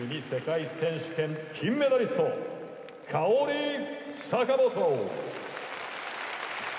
世界選手権金メダリスト、カオリ・サカモト。